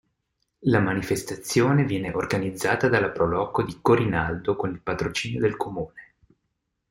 La manifestazione viene organizzata dalla Pro Loco di Corinaldo con il patrocinio del Comune.